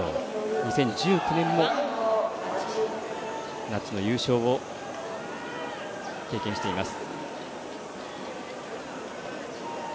２０１９年の夏の優勝を経験しています。